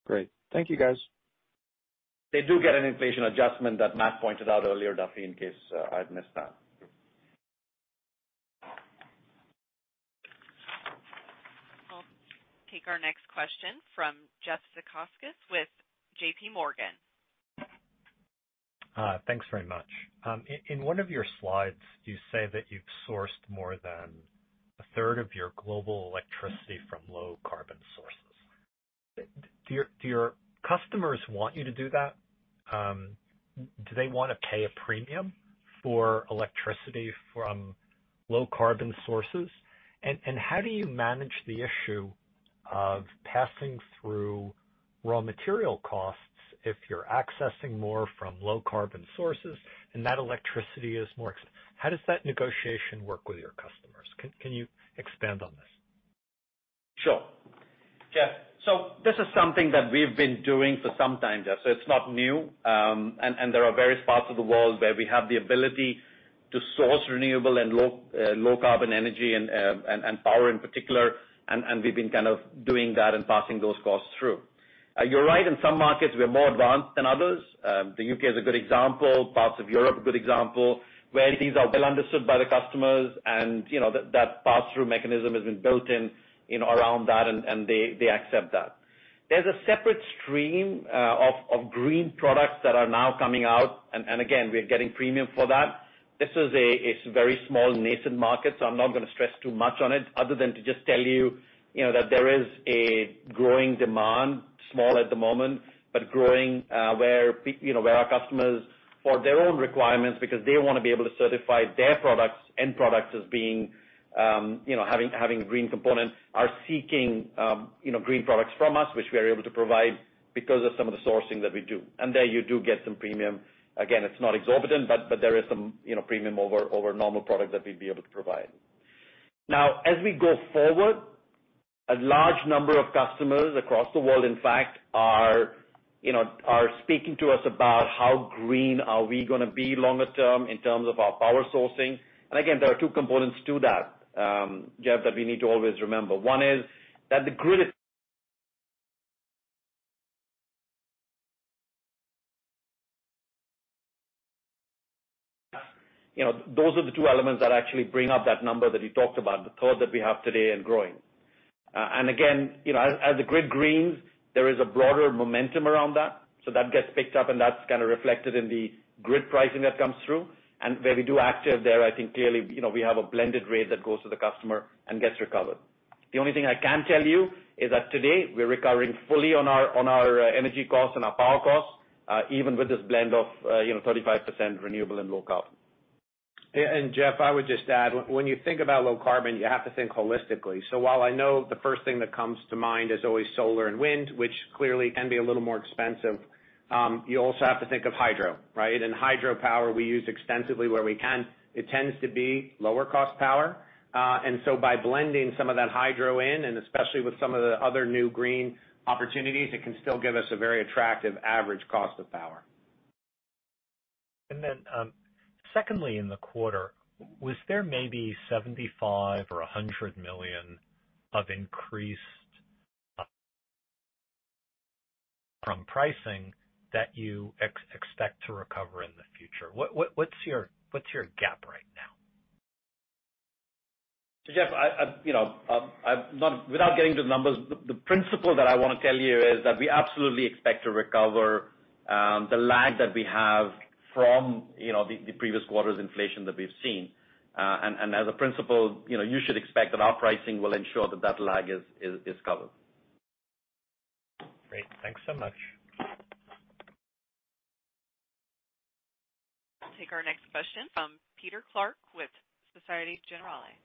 Great. Thank you, guys. They do get an inflation adjustment that Matt pointed out earlier, Duffy, in case I've missed that. I'll take our next question from Jeff Zekauskas with J.P. Morgan. Thanks very much. In one of your slides, you say that you've sourced more than a third of your global electricity from low carbon sources. Do your customers want you to do that? Do they wanna pay a premium for electricity from low carbon sources? How do you manage the issue of passing through raw material costs if you're accessing more from low carbon sources and that electricity is more expensive? How does that negotiation work with your customers? Can you expand on this? Sure. Jeff, this is something that we've been doing for some time now, so it's not new. There are various parts of the world where we have the ability to source renewable and low carbon energy and power in particular. We've been kind of doing that and passing those costs through. You're right, in some markets, we're more advanced than others. The U.K. is a good example, parts of Europe, a good example, where these are well understood by the customers and, you know, that pass-through mechanism has been built in and around that, and they accept that. There's a separate stream of green products that are now coming out, and again, we're getting a premium for that. It's a very small nascent market, so I'm not gonna stress too much on it other than to just tell you know, that there is a growing demand, small at the moment, but growing, where our customers, for their own requirements because they wanna be able to certify their products, end products as being, you know, having green components are seeking, you know, green products from us, which we are able to provide because of some of the sourcing that we do. There you do get some premium. Again, it's not exorbitant, but there is some, you know, premium over normal product that we'd be able to provide. Now, as we go forward, a large number of customers across the world, in fact, you know, are speaking to us about how green are we gonna be longer term in terms of our power sourcing. Again, there are two components to that, Jeff, that we need to always remember. One is that the grid is, you know, those are the two elements that actually bring up that number that you talked about, the third that we have today and growing. Again, you know, as the grid greens, there is a broader momentum around that. That gets picked up, and that's kinda reflected in the grid pricing that comes through. Where we are active there, I think clearly, you know, we have a blended rate that goes to the customer and gets recovered. The only thing I can tell you is that today we're recovering fully on our energy costs and our power costs, even with this blend of, you know, 35% renewable and low carbon. Jeff, I would just add, when you think about low carbon, you have to think holistically. While I know the first thing that comes to mind is always solar and wind, which clearly can be a little more expensive, you also have to think of hydro, right? Hydro power we use extensively where we can. It tends to be lower cost power. By blending some of that hydro in, and especially with some of the other new green opportunities, it can still give us a very attractive average cost of power. Secondly, in the quarter, was there maybe $75 million or $100 million of increase from pricing that you expect to recover in the future? What's your gap right now? Jeff, you know, without getting to the numbers, the principle that I wanna tell you is that we absolutely expect to recover the lag that we have from, you know, the previous quarters inflation that we've seen. As a principle, you know, you should expect that our pricing will ensure that that lag is covered. Great. Thanks so much. Take our next question from Peter Clark with Société Générale.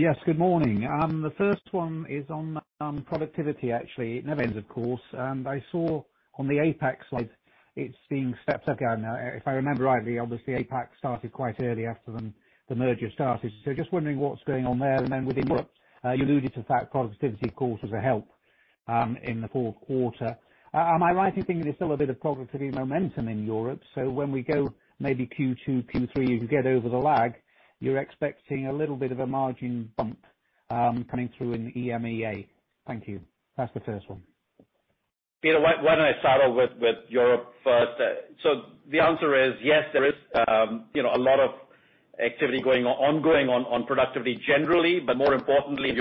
Yes, good morning. The first one is on productivity, actually. Novena, of course. I saw on the APAC slide it's being stepped up. Now, if I remember rightly, obviously APAC started quite early after the merger started. Just wondering what's going on there. And then within Europe, you alluded to that productivity, of course, as a help in the fourth quarter. Am I right in thinking there's still a bit of productivity momentum in Europe? When we go maybe Q2, Q3, you can get over the lag, you're expecting a little bit of a margin bump coming through in EMEA. Thank you. That's the first one. Peter, why don't I start off with Europe first? So the answer is yes, there is you know, a lot of activity ongoing on productivity generally, but more importantly,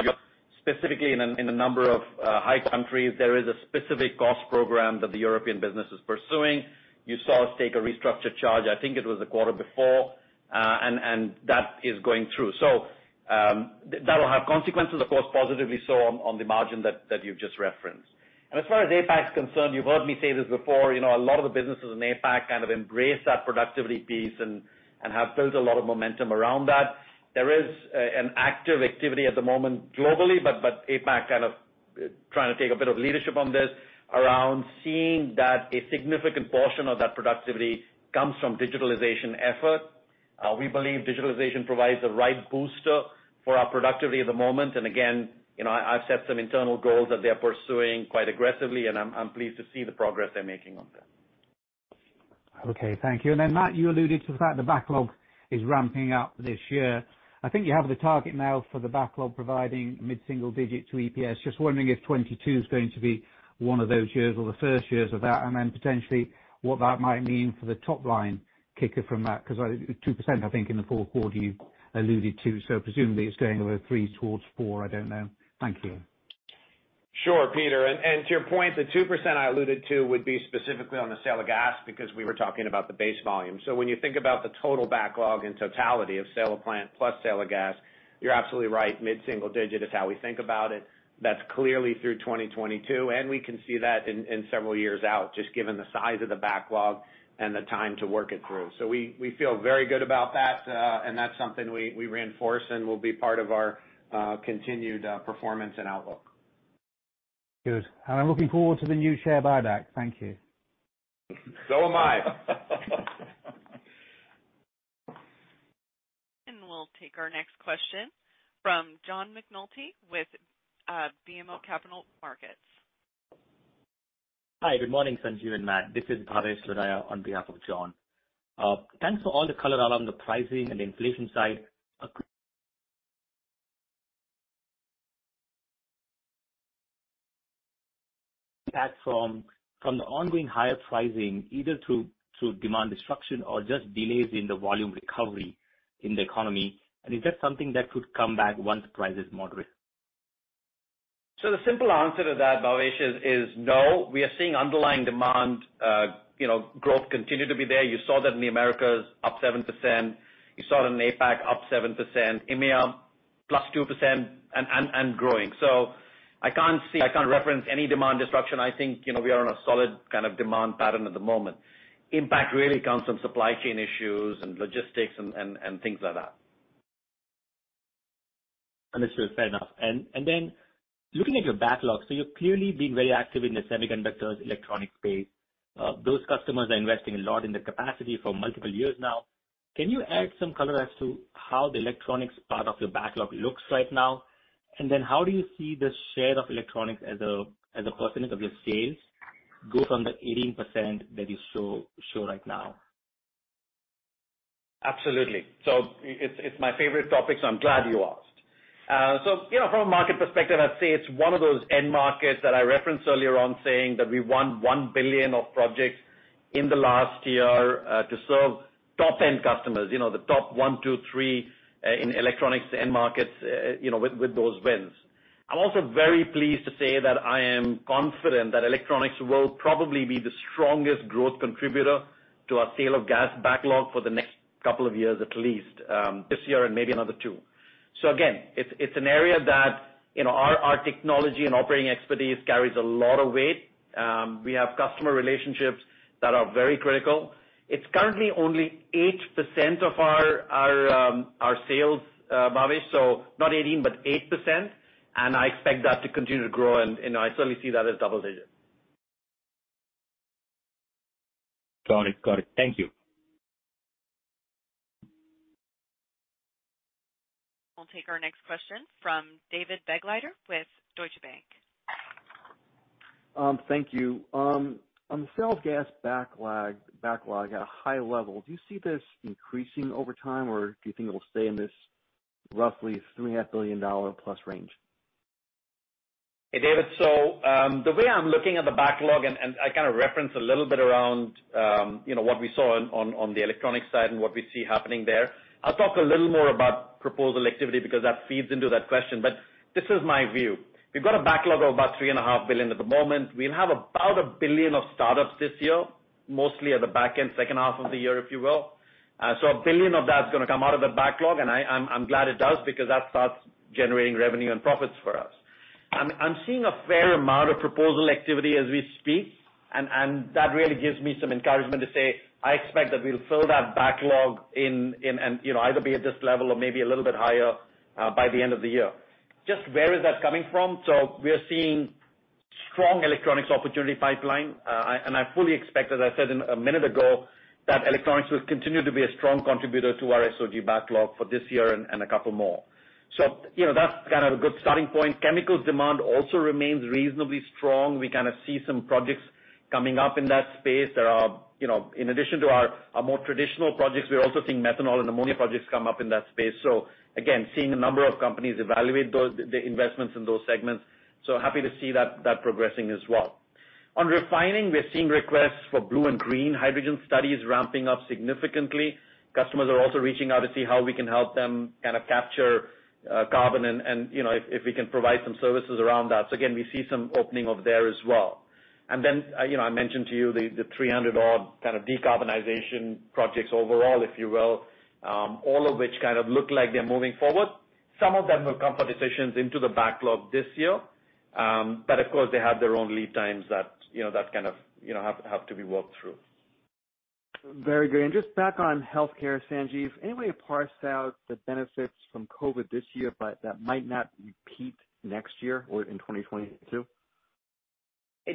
because specifically in a number of key countries, there is a specific cost program that the European business is pursuing. You saw us take a restructuring charge, I think it was the quarter before, and that is going through. So, that will have consequences, of course, positively so on the margin that you've just referenced. As far as APAC is concerned, you've heard me say this before, you know, a lot of the businesses in APAC kind of embrace that productivity piece and have built a lot of momentum around that. There is an active activity at the moment globally, but APAC kind of trying to take a bit of leadership on this around seeing that a significant portion of that productivity comes from digitalization effort. We believe digitalization provides the right booster for our productivity at the moment. Again, you know, I've set some internal goals that they're pursuing quite aggressively, and I'm pleased to see the progress they're making on that. Okay. Thank you. Then, Matt, you alluded to the fact the backlog is ramping up this year. I think you have the target now for the backlog providing mid-single digit to EPS. Just wondering if 2022 is going to be one of those years or the first years of that, and then potentially what that might mean for the top line kicker from that. 'Cause, 2%, I think in the fourth quarter you alluded to. Presumably it's going over 3% towards 4%. I don't know. Thank you. Sure, Peter. To your point, the 2% I alluded to would be specifically on the sale of gas because we were talking about the base volume. When you think about the total backlog and totality of sale of plant plus sale of gas, you're absolutely right, mid-single digit is how we think about it. That's clearly through 2022, and we can see that in several years out, just given the size of the backlog and the time to work it through. We feel very good about that, and that's something we reinforce and will be part of our continued performance and outlook. Good. I'm looking forward to the new share buyback. Thank you. I am. We'll take our next question from John McNulty with BMO Capital Markets. Hi, good morning, Sanjiv and Matt. This is Bhavesh Lodaya on behalf of John. Thanks for all the color around the pricing and inflation side. From the ongoing higher pricing, either through demand destruction or just delays in the volume recovery in the economy. Is that something that could come back once price is moderate? The simple answer to that, Bhavesh, is no. We are seeing underlying demand, you know, growth continue to be there. You saw that in the Americas, up 7%. You saw it in APAC, up 7%. EMEA, +2% and growing. I can't reference any demand destruction. I think, you know, we are on a solid kind of demand pattern at the moment. Impact really comes from supply chain issues and logistics and things like that. Understood. Fair enough. Looking at your backlog, you're clearly being very active in the semiconductor electronics space. Those customers are investing a lot in the capacity for multiple years now. Can you add some color as to how the electronics part of your backlog looks right now? How do you see the share of electronics as a percentage of your sales grow from the 18% that you show right now? Absolutely. It's my favorite topic, so I'm glad you asked. From a market perspective, I'd say it's one of those end markets that I referenced earlier on saying that we won $1 billion of projects in the last year to serve top end customers. You know, the top one, two, three in electronics end markets, you know, with those wins. I'm also very pleased to say that I am confident that electronics will probably be the strongest growth contributor to our sale of gas backlog for the next couple of years, at least, this year and maybe another two. Again, it's an area that, you know, our technology and operating expertise carries a lot of weight. We have customer relationships that are very critical. It's currently only 8% of our sales, Bhavesh, so not 18%, but 8%. I expect that to continue to grow and, you know, I certainly see that as double digits. Got it. Thank you. We'll take our next question from David Begleiter with Deutsche Bank. Thank you. On the sale of gas backlog at a high level, do you see this increasing over time, or do you think it will stay in this roughly $3.5 billion plus range? Hey, David. The way I'm looking at the backlog, and I kind of referenced a little bit around, you know, what we saw on the electronic side and what we see happening there. I'll talk a little more about proposal activity because that feeds into that question. This is my view. We've got a backlog of about $3.5 billion at the moment. We'll have about $1 billion of startups this year, mostly at the back end, second half of the year, if you will. $1 billion of that's gonna come out of the backlog, and I'm glad it does because that starts generating revenue and profits for us. I'm seeing a fair amount of proposal activity as we speak, and that really gives me some encouragement to say, I expect that we'll fill that backlog in, and, you know, either be at this level or maybe a little bit higher, by the end of the year. Just where is that coming from? We are seeing strong electronics opportunity pipeline. I fully expect, as I said a minute ago, that electronics will continue to be a strong contributor to our SOG backlog for this year and a couple more. You know, that's kind of a good starting point. Chemicals demand also remains reasonably strong. We kind of see some projects coming up in that space. There are, you know, in addition to our more traditional projects, we're also seeing methanol and ammonia projects come up in that space. Again, we're seeing a number of companies evaluate those, the investments in those segments, so happy to see that progressing as well. On refining, we're seeing requests for blue and green hydrogen studies ramping up significantly. Customers are also reaching out to see how we can help them kind of capture carbon and, you know, if we can provide some services around that. Again, we see some opening up there as well. Then, you know, I mentioned to you the 300-odd kind of decarbonization projects overall, if you will, all of which kind of look like they're moving forward. Some of them will come for decisions into the backlog this year. Of course, they have their own lead times that, you know, that kind of, you know, have to be worked through. Very good. Just back on healthcare, Sanjiv, any way to parse out the benefits from COVID this year, but that might not repeat next year or in 2022?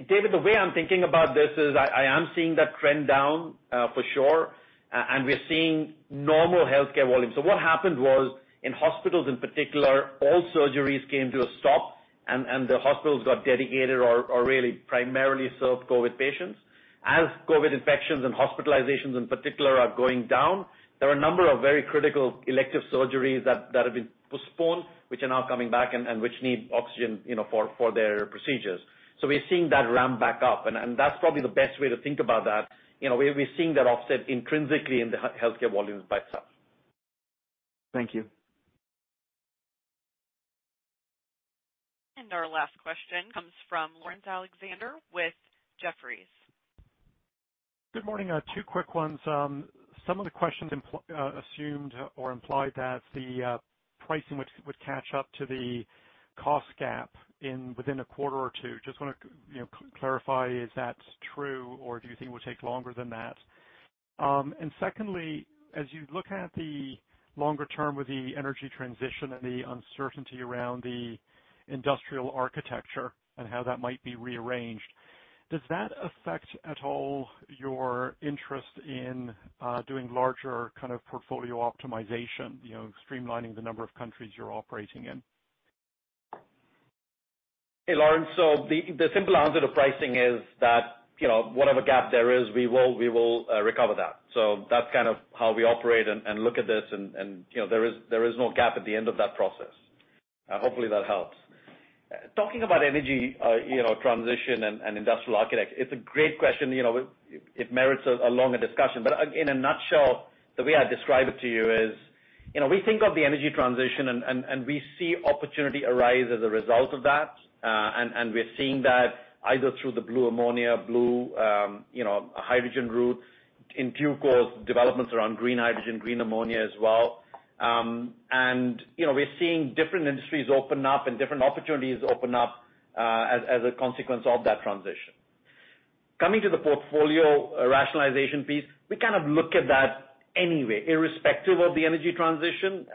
David, the way I'm thinking about this is I am seeing that trend down, for sure, and we're seeing normal healthcare volumes. What happened was, in hospitals in particular, all surgeries came to a stop and the hospitals got dedicated or really primarily served COVID patients. As COVID infections and hospitalizations in particular are going down, there are a number of very critical elective surgeries that have been postponed, which are now coming back and which need oxygen, you know, for their procedures. We're seeing that ramp back up, and that's probably the best way to think about that. You know, we're seeing that offset intrinsically in the healthcare volumes by itself. Thank you. Our last question comes from Laurence Alexander with Jefferies. Good morning. Two quick ones. Some of the questions assumed or implied that the pricing would catch up to the cost gap within a quarter or two. Just wanna you know, clarify, is that true, or do you think it will take longer than that? Secondly, as you look at the longer term with the energy transition and the uncertainty around the industrial architecture and how that might be rearranged. Does that affect at all your interest in, doing larger kind of portfolio optimization, you know, streamlining the number of countries you're operating in? Hey, Laurence. The simple answer to pricing is that, you know, whatever gap there is, we will recover that. That's kind of how we operate and look at this and, you know, there is no gap at the end of that process. Hopefully that helps. Talking about energy, you know, transition and industrial architecture, it's a great question. You know, it merits a longer discussion. In a nutshell, the way I describe it to you is, you know, we think of the energy transition and we see opportunity arise as a result of that. And we're seeing that either through the blue ammonia, blue hydrogen routes, including developments around green hydrogen, green ammonia as well. You know, we're seeing different industries open up and different opportunities open up as a consequence of that transition. Coming to the portfolio rationalization piece, we kind of look at that anyway, irrespective of the energy transition.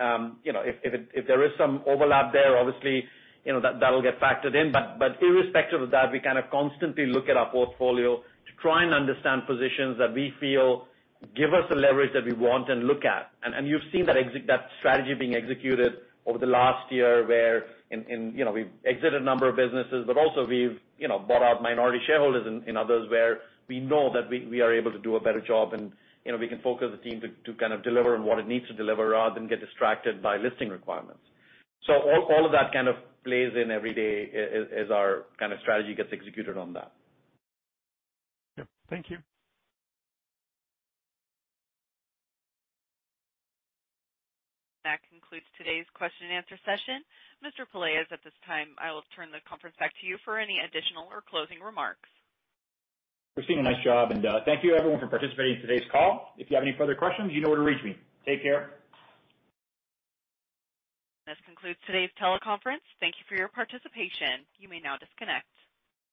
You know, if there is some overlap there, obviously, you know, that'll get factored in. Irrespective of that, we kind of constantly look at our portfolio to try and understand positions that we feel give us the leverage that we want and look at. You've seen that strategy being executed over the last year wherein, you know, we've exited a number of businesses. Also we've, you know, bought out minority shareholders in others where we know that we are able to do a better job and, you know, we can focus the team to kind of deliver on what it needs to deliver rather than get distracted by listing requirements. All of that kind of plays in every day as our kind of strategy gets executed on that. Yeah. Thank you. That concludes today's question and answer session. Mr. Pelaez, at this time, I will turn the conference back to you for any additional or closing remarks. Christina, nice job. Thank you everyone for participating in today's call. If you have any further questions, you know where to reach me. Take care. This concludes today's teleconference. Thank you for your participation. You may now disconnect.